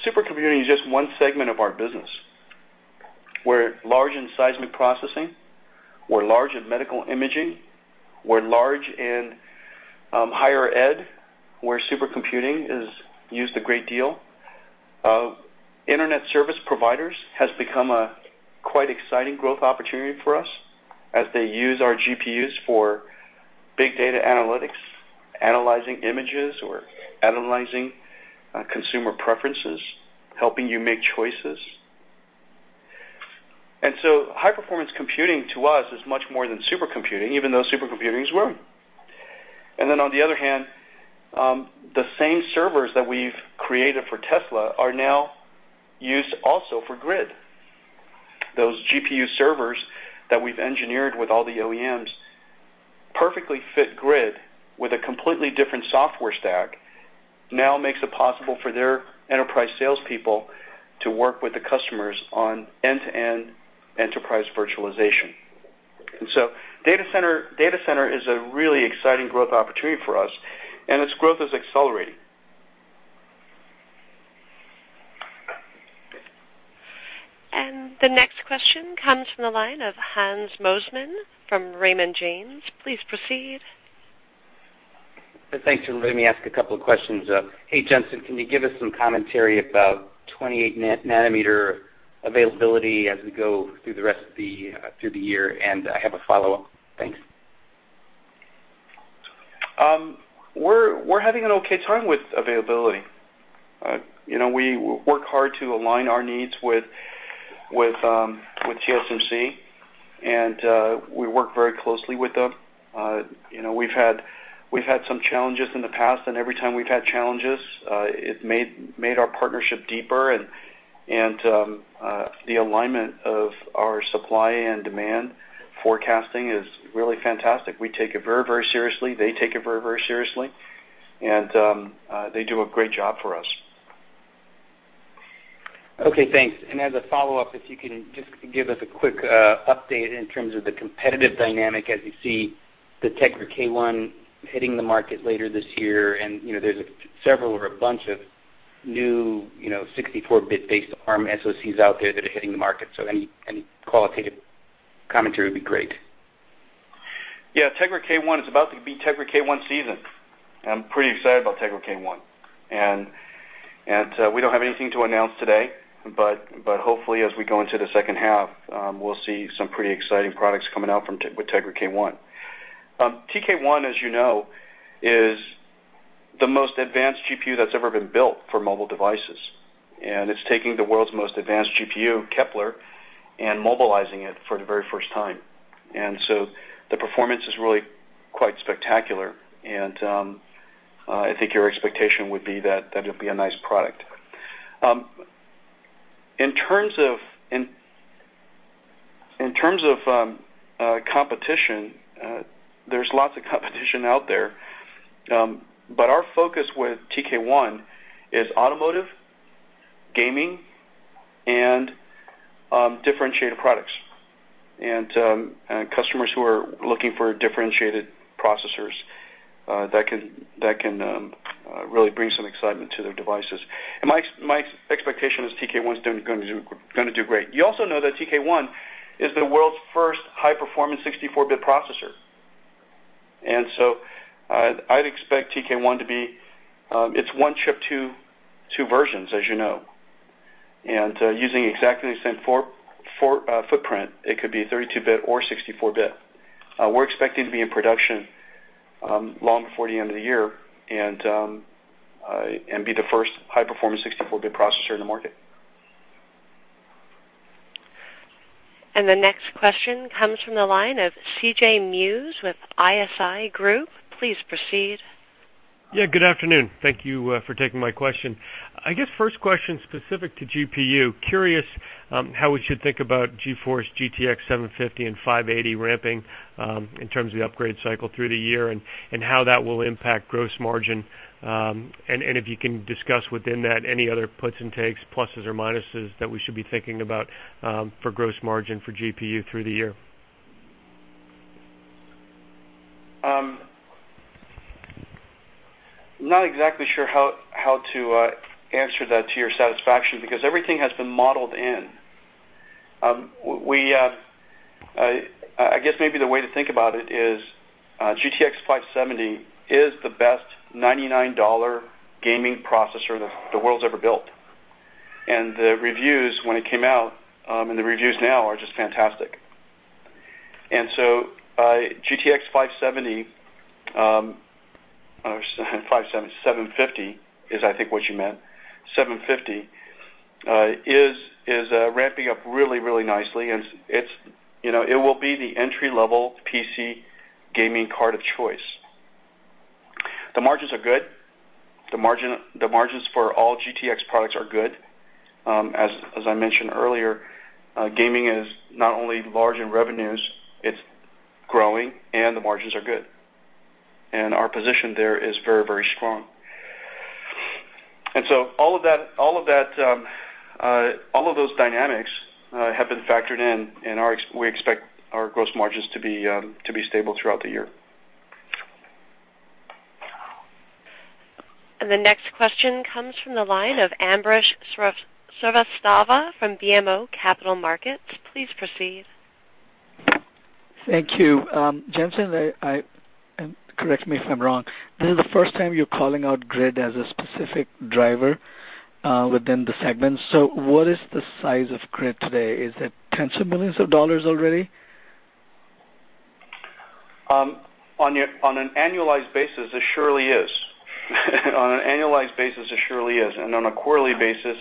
Supercomputing is just one segment of our business. We're large in seismic processing. We're large in medical imaging. We're large in higher ed, where supercomputing is used a great deal. Internet service providers has become a quite exciting growth opportunity for us as they use our GPUs for big data analytics, analyzing images or analyzing consumer preferences, helping you make choices. High-performance computing to us is much more than supercomputing, even though supercomputing is growing. On the other hand, the same servers that we've created for Tesla are now used also for GRID. Those GPU servers that we've engineered with all the OEMs perfectly fit GRID with a completely different software stack, now makes it possible for their enterprise salespeople to work with the customers on end-to-end enterprise virtualization. Data center is a really exciting growth opportunity for us, and its growth is accelerating. The next question comes from the line of Hans Mosesmann from Raymond James. Please proceed. Thanks for letting me ask a couple of questions. Hey, Jensen, can you give us some commentary about 28 nanometer availability as we go through the rest of the year? I have a follow-up. Thanks. We're having an okay time with availability. You know, we work hard to align our needs with TSMC, and we work very closely with them. You know, we've had some challenges in the past, and every time we've had challenges, it made our partnership deeper and the alignment of our supply and demand forecasting is really fantastic. We take it very seriously. They take it very seriously. They do a great job for us. Okay, thanks. As a follow-up, if you can just give us a quick update in terms of the competitive dynamic as you see the Tegra K1 hitting the market later this year, and, you know, there's several or a bunch of new, you know, 64-bit based Arm SoCs out there that are hitting the market. Any qualitative commentary would be great. Yeah, Tegra K1, it's about to be Tegra K1 season. I'm pretty excited about Tegra K1. We don't have anything to announce today, but hopefully, as we go into the second half, we'll see some pretty exciting products coming out with Tegra K1. TK1, as you know, is the most advanced GPU that's ever been built for mobile devices, and it's taking the world's most advanced GPU, Kepler, and mobilizing it for the very first time. The performance is really quite spectacular, and I think your expectation would be that it'd be a nice product. In terms of competition, there's lots of competition out there. Our focus with TK1 is automotive, gaming, and differentiated products and customers who are looking for differentiated processors that can really bring some excitement to their devices. My expectation is TK1's gonna do great. You also know that TK1 is the world's first high-performance 64-bit processor. I'd expect TK1 to be It's one chip, two versions, as you know. Using exactly the same footprint, it could be 32-bit or 64-bit. We're expecting to be in production long before the end of the year and be the first high-performance 64-bit processor in the market. The next question comes from the line of C.J. Muse with ISI Group. Please proceed. Yeah, good afternoon. Thank you for taking my question. I guess first question specific to GPU. Curious how we should think about GeForce GTX 750 and 580 ramping in terms of the upgrade cycle through the year and how that will impact gross margin. And if you can discuss within that any other puts and takes, pluses or minuses that we should be thinking about for gross margin for GPU through the year. I'm not exactly sure how to answer that to your satisfaction because everything has been modeled in. We, I guess maybe the way to think about it is, GTX 750 is the best $99 gaming processor the world's ever built. The reviews when it came out, and the reviews now are just fantastic. GTX 750, or 750 is I think what you meant. 750 is ramping up really nicely, and it's, you know, it will be the entry-level PC gaming card of choice. The margins are good. The margins for all GTX products are good. As I mentioned earlier, gaming is not only large in revenues, it's growing, and the margins are good. Our position there is very, very strong. All of that, all of those dynamics have been factored in, we expect our gross margins to be stable throughout the year. The next question comes from the line of Ambrish Srivastava from BMO Capital Markets. Please proceed. Thank you. Jensen, correct me if I'm wrong, this is the first time you're calling out GRID as a specific driver within the segment. What is the size of GRID today? Is it tens of millions of dollars already? On an annualized basis, it surely is. On an annualized basis, it surely is. On a quarterly basis,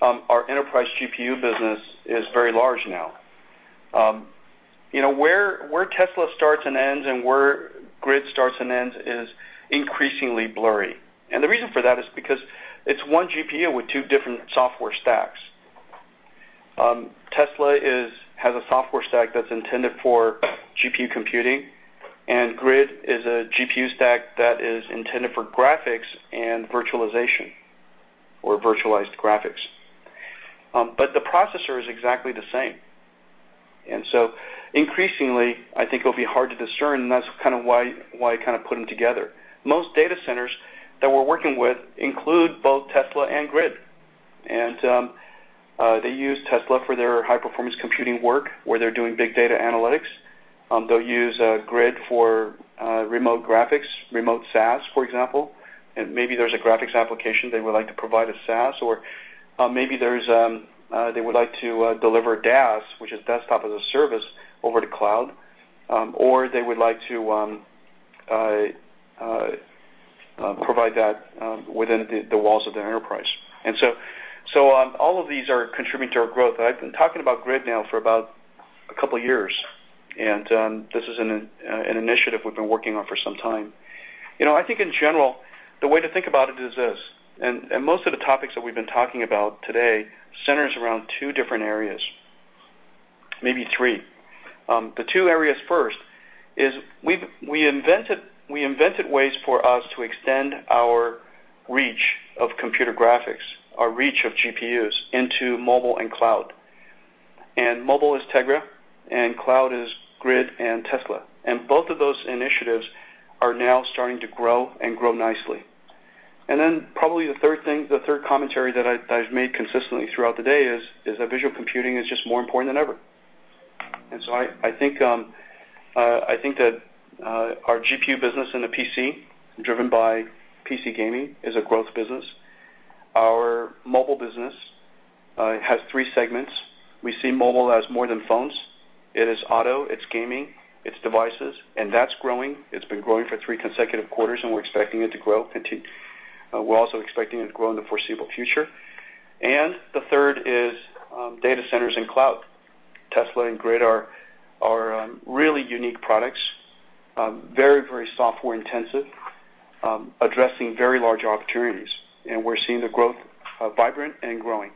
our enterprise GPU business is very large now. You know, where Tesla starts and ends and where GRID starts and ends is increasingly blurry. The reason for that is because it's one GPU with two different software stacks. Tesla has a software stack that's intended for GPU computing, and GRID is a GPU stack that is intended for graphics and virtualization or virtualized graphics. The processor is exactly the same. Increasingly, I think it'll be hard to discern, and that's kind of why I kind of put them together. Most data centers that we're working with include both Tesla and GRID. They use Tesla for their high-performance computing work, where they're doing big data analytics. They'll use GRID for remote graphics, remote SaaS, for example. Maybe there's a graphics application they would like to provide a SaaS, or they would like to deliver DaaS, which is Desktop as a Service, over to cloud, or they would like to provide that within the walls of their enterprise. All of these are contributing to our growth. I've been talking about GRID now for about two years, and this is an initiative we've been working on for some time. You know, I think in general, the way to think about it is this, and most of the topics that we've been talking about today centers around two different areas, maybe three. The two areas first is we invented ways for us to extend our reach of computer graphics, our reach of GPUs into mobile and cloud. Mobile is Tegra, and cloud is GRID and Tesla. Both of those initiatives are now starting to grow and grow nicely. Probably the third thing, the third commentary that I've made consistently throughout the day is that visual computing is just more important than ever. I think that our GPU business in the PC, driven by PC gaming, is a growth business. Our mobile business, it has three segments. We see mobile as more than phones. It is auto, it's gaming, it's devices, that's growing. It's been growing for three consecutive quarters. We're also expecting it to grow in the foreseeable future. The third is data centers and cloud. Tesla and GRID are really unique products, very, very software intensive, addressing very large opportunities, and we're seeing the growth vibrant and growing.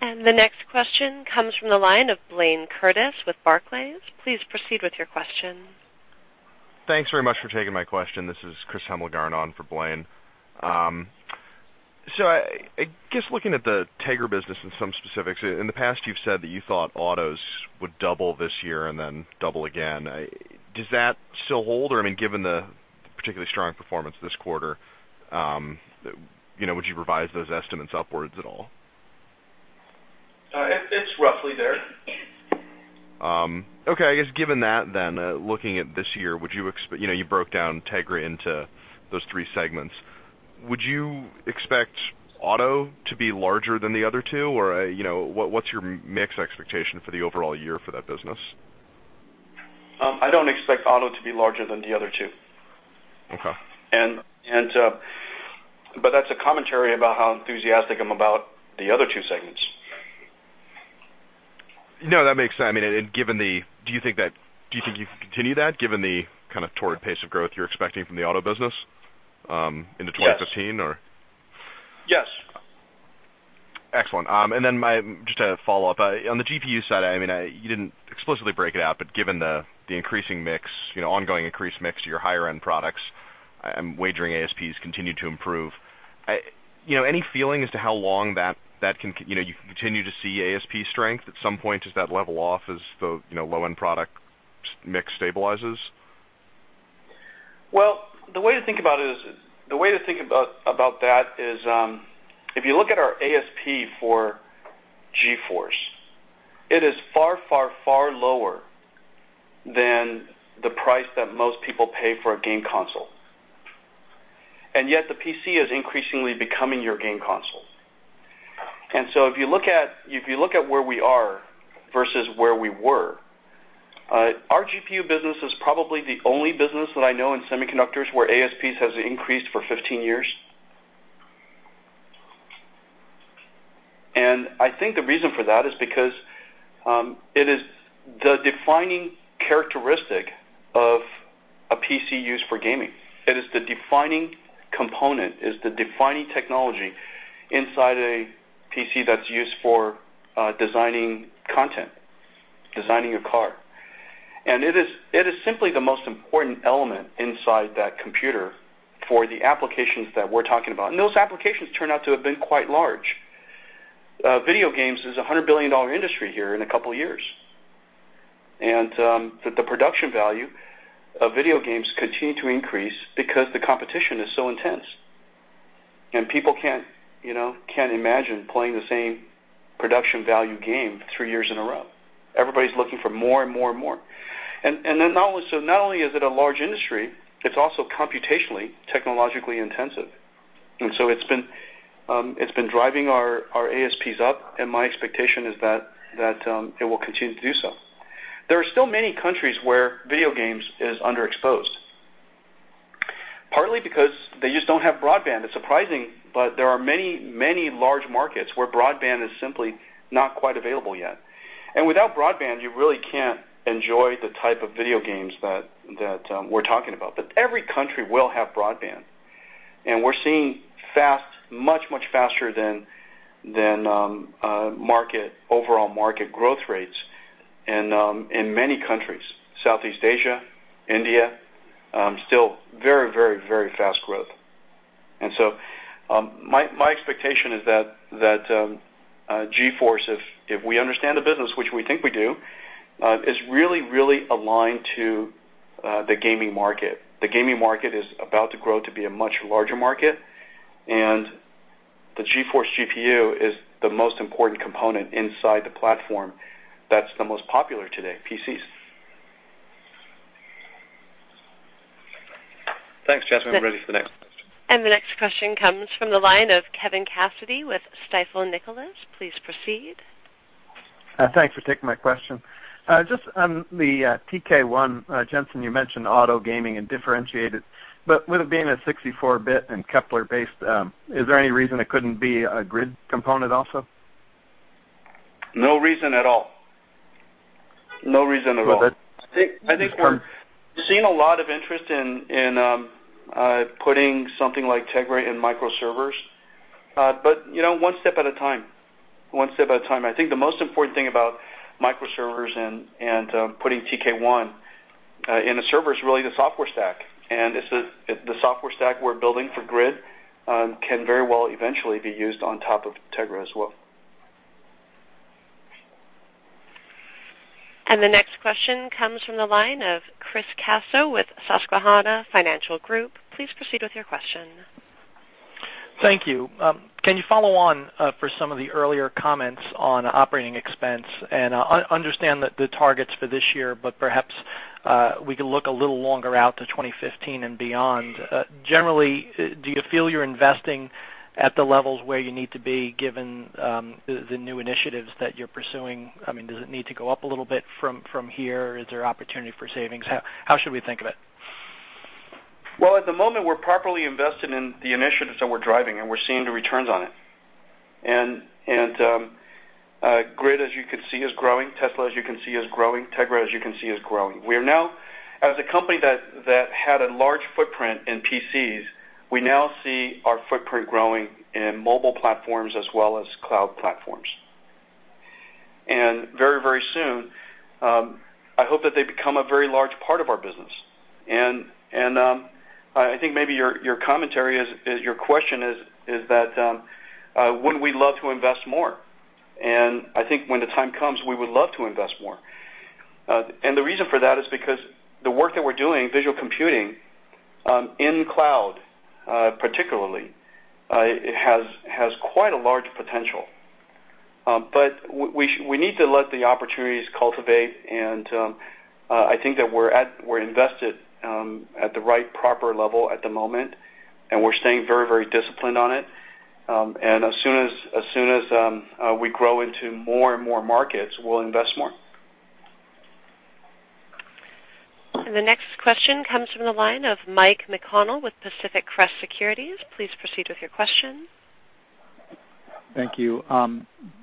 The next question comes from the line of Blayne Curtis with Barclays. Please proceed with your question. Thanks very much for taking my question. This is Chris Hemmelgarn on for Blayne. I guess looking at the Tegra business and some specifics, in the past you've said that you thought autos would double this year and then double again. Does that still hold? I mean, given the particularly strong performance this quarter, you know, would you revise those estimates upwards at all? It's roughly there. Okay. I guess given that then, looking at this year, you know, you broke down Tegra into those three segments. Would you expect auto to be larger than the other two? Or, you know, what's your mix expectation for the overall year for that business? I don't expect auto to be larger than the other two. Okay. That's a commentary about how enthusiastic I'm about the other two segments. No, I mean, do you think you can continue that given the kind of torrid pace of growth you're expecting from the auto business into 2015, or? Yes. Yes. Excellent. Just a follow-up. On the GPU side, I mean, you didn't explicitly break it out, but given the increasing mix, you know, ongoing increased mix of your higher-end products, I'm wagering ASPs continue to improve. You know, any feeling as to how long that, you know, you can continue to see ASP strength? At some point, does that level off as the, you know, low-end product mix stabilizes? Well, the way to think about that is, if you look at our ASP for GeForce, it is far, far, far lower than the price that most people pay for a game console. Yet the PC is increasingly becoming your game console. If you look at where we are versus where we were, our GPU business is probably the only business that I know in semiconductors where ASPs has increased for 15 years. I think the reason for that is because it is the defining characteristic of a PC used for gaming. It is the defining component, is the defining technology inside a PC that's used for designing content, designing a car. It is simply the most important element inside that computer for the applications that we're talking about. Those applications turn out to have been quite large. Video games is a $100 billion industry here in a couple years. The production value of video games continue to increase because the competition is so intense, and people can't, you know, imagine playing the same production value game three years in a row. Everybody's looking for more and more and more. Not only is it a large industry, it's also computationally technologically intensive. It's been driving our ASPs up, and my expectation is that it will continue to do so. There are still many countries where video games is underexposed, partly because they just don't have broadband. It's surprising, there are many large markets where broadband is simply not quite available yet. Without broadband, you really can't enjoy the type of video games that we're talking about. Every country will have broadband, and we're seeing fast, much faster than market, overall market growth rates in many countries. Southeast Asia, India, still very fast growth. My expectation is that GeForce, if we understand the business, which we think we do, is really aligned to the gaming market. The gaming market is about to grow to be a much larger market, the GeForce GPU is the most important component inside the platform that's the most popular today, PCs. Thanks, Jensen. We're ready for the next question. The next question comes from the line of Kevin Cassidy with Stifel Nicolaus. Please proceed. Thanks for taking my question. Just on the TK1, Jensen, you mentioned auto gaming and differentiated, but with it being a 64-bit and Kepler-based, is there any reason it couldn't be a GRID component also? No reason at all. No reason at all. Well, that's. I think. That's fair. We've seen a lot of interest in putting something like Tegra in microservers. You know, one step at a time. One step at a time. I think the most important thing about microservers and putting TK1, in a server is really the software stack. It's the software stack we're building for GRID, can very well eventually be used on top of Tegra as well. The next question comes from the line of Chris Caso with Susquehanna Financial Group. Please proceed with your question. Thank you. Can you follow on for some of the earlier comments on operating expense? Understand the targets for this year, but perhaps we can look a little longer out to 2015 and beyond. Generally, do you feel you're investing at the levels where you need to be given the new initiatives that you're pursuing? I mean, does it need to go up a little bit from here? Is there opportunity for savings? How should we think of it? Well, at the moment, we're properly invested in the initiatives that we're driving, and we're seeing the returns on it. NVIDIA GRID, as you can see, is growing. Tesla, as you can see, is growing. Tegra, as you can see, is growing. We are now, as a company that had a large footprint in PCs, we now see our footprint growing in mobile platforms as well as cloud platforms. Very, very soon, I hope that they become a very large part of our business. I think maybe your commentary is your question is that wouldn't we love to invest more? I think when the time comes, we would love to invest more. The reason for that is because the work that we're doing, visual computing, in cloud, particularly, it has quite a large potential. We need to let the opportunities cultivate, and, I think that we're invested, at the right proper level at the moment, and we're staying very, very disciplined on it. As soon as we grow into more and more markets, we'll invest more. The next question comes from the line of Mike McConnell with Pacific Crest Securities. Please proceed with your question. Thank you.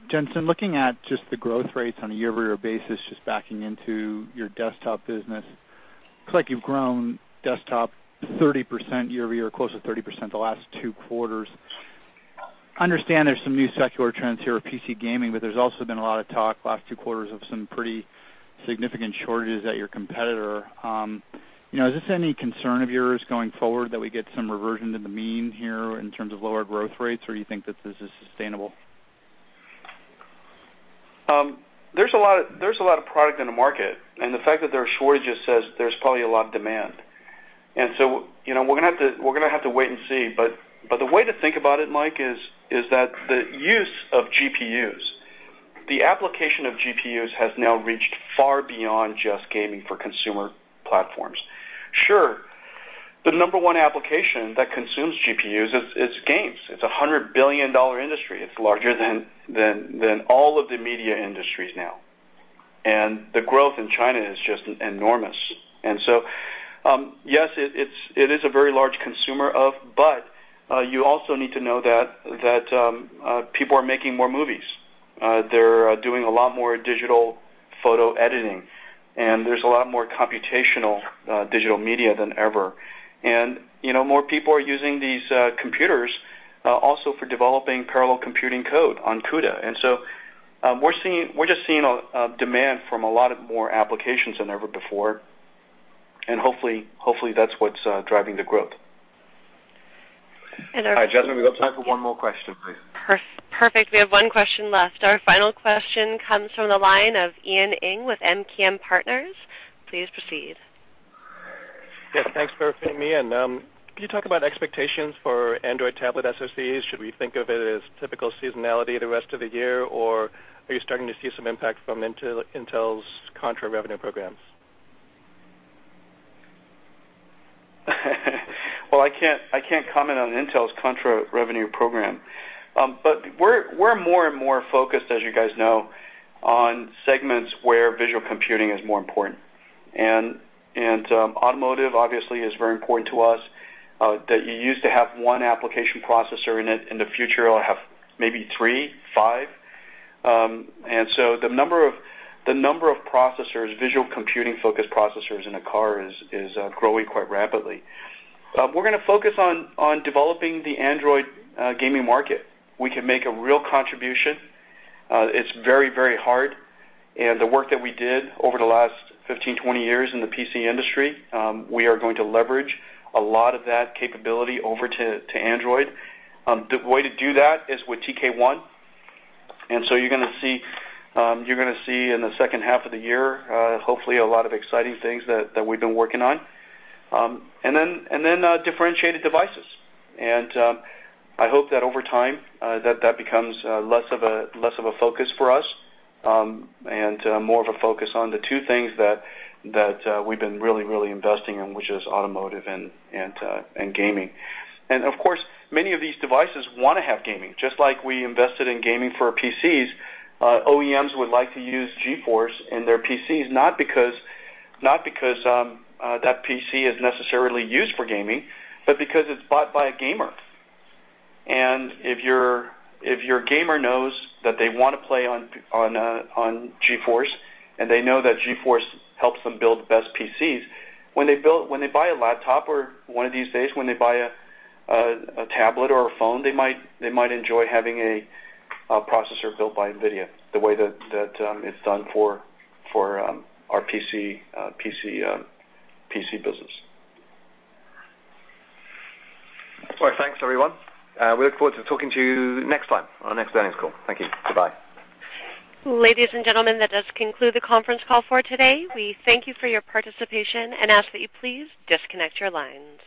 Jensen, looking at just the growth rates on a year-over-year basis, just backing into your desktop business, looks like you've grown desktop 30% year-over-year, close to 30% the last two quarters. Understand there's some new secular trends here with PC gaming, there's also been a lot of talk the last two quarters of some pretty significant shortages at your competitor. You know, is this any concern of yours going forward that we get some reversion to the mean here in terms of lower growth rates, or you think that this is sustainable? There's a lot of product in the market, and the fact that there are shortages says there's probably a lot of demand. You know, we're gonna have to wait and see. But the way to think about it, Mike, is that the use of GPUs, the application of GPUs has now reached far beyond just gaming for consumer platforms. Sure, the number one application that consumes GPUs is games. It's a $100 billion industry. It's larger than all of the media industries now. The growth in China is just enormous. Yes, it is a very large consumer of, but you also need to know that people are making more movies. They're doing a lot more digital photo editing, and there's a lot more computational digital media than ever. You know, more people are using these computers also for developing parallel computing code on CUDA. We're just seeing demand from a lot of more applications than ever before. Hopefully, that's what's driving the growth. And our- All right, Jensen, we've got time for one more question, please. Perfect. We have one question left. Our final question comes from the line of Ian Ing with MKM Partners. Please proceed. Yes, thanks for fitting me in. Can you talk about expectations for Android tablet SoCs? Should we think of it as typical seasonality the rest of the year, or are you starting to see some impact from Intel's contra-revenue programs? I can't comment on Intel's contra-revenue program. We're more and more focused, as you guys know, on segments where visual computing is more important. Automotive obviously is very important to us that you used to have one application processor in it. In the future, it'll have maybe three, five. The number of processors, visual computing-focused processors in a car is growing quite rapidly. We're gonna focus on developing the Android gaming market. We can make a real contribution. It's very, very hard. The work that we did over the last 15, 20 years in the PC industry, we are going to leverage a lot of that capability over to Android. The way to do that is with TK1. You're gonna see in the second half of the year, hopefully a lot of exciting things that we've been working on. Then, differentiated devices. I hope that over time, that that becomes less of a focus for us, and more of a focus on the two things that we've been really investing in, which is automotive and gaming. Of course, many of these devices wanna have gaming. Just like we invested in gaming for PCs, OEMs would like to use GeForce in their PCs, not because, that PC is necessarily used for gaming, but because it's bought by a gamer. If your gamer knows that they wanna play on GeForce, they know that GeForce helps them build the best PCs, when they buy a laptop or one of these days, when they buy a tablet or a phone, they might enjoy having a processor built by NVIDIA, the way that it's done for our PC business. All right. Thanks, everyone. We look forward to talking to you next time on our next earnings call. Thank you. Goodbye. Ladies and gentlemen, that does conclude the conference call for today. We thank you for your participation and ask that you please disconnect your lines.